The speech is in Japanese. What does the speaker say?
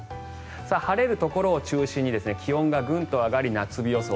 晴れるところを中心に気温がぐんと上がり夏日予想。